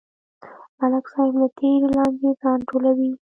ملک صاحب له تېرې لانجې ځان ټولوي.